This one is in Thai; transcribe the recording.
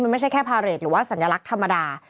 มันไม่ใช่แค่พาเรทหรือว่าสัญลักษณ์ธรรมดา